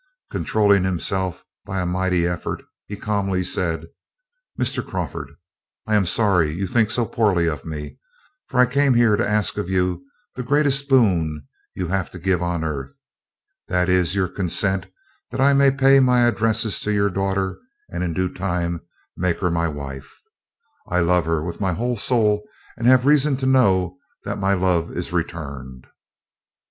Controlling himself by a mighty effort, he calmly said: "Mr. Crawford, I am sorry you think so poorly of me, for I came here to ask of you the greatest boon you have to give on earth, that is your consent that I may pay my addresses to your daughter, and in due time make her my wife. I love her with my whole soul, and have reason to know that my love is returned."